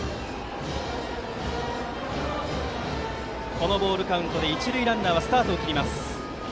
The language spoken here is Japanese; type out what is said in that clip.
このボールカウントで一塁ランナーはスタートを切ります。